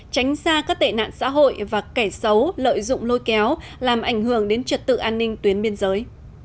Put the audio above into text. tránh xa các tệ nạn xã hội và kẻ xấu lợi dụng lôi kéo làm ảnh hưởng đến trật tự an ninh tuyến biên giới